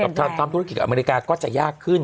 เกี่ยวกับทำธุรกิจอเมริกาก็จะยากขึ้น